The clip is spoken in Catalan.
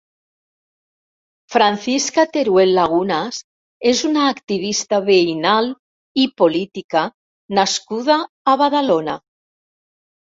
Francisca Teruel Lagunas és una activista veïnal i política nascuda a Badalona.